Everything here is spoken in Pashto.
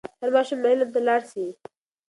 هر ماشوم به علم ته لاړ سي.